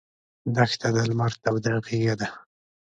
دښته د لمر توده غېږه ده.